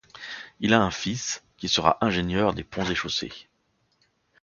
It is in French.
Il a un fils qui sera ingénieur des Ponts-et-Chaussées.